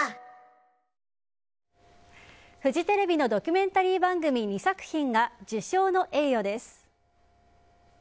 フジテレビのドキュメンタリー番組２作品が受賞の栄誉です。